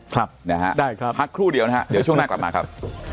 พักครู่เดียวนะเดี๋ยวช่วงหน้ากลับมาครับ